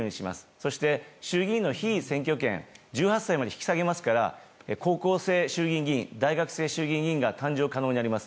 そして、衆議院の被選挙権を１８歳まで引き下げますから高校生衆議院議員大学生衆議院議員が誕生可能になります。